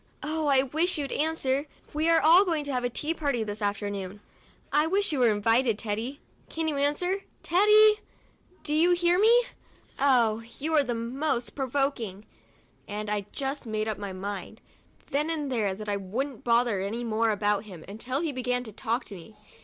Oh, I do wish you'd answer ! We are going to have a tea party this afternoon ; I wish you were invited, Teddy! Can't you answer? Teddy! Do you 28 TUESDAY— A TEA PARTY AND ITS RESULTS hear me? Oh, you are the most provoking —" and I just made up my mind, then and there, that I wouldn't bother any more about him until he began to talk to me.